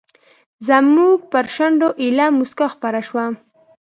زموږ پر شونډو ایله موسکا خپره شوه.